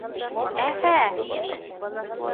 «Әһә!»